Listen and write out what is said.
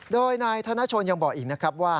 โดยนายธนชนยังบอกอีกนะครับว่า